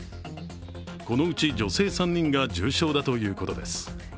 このうち女性３人が重傷だということです。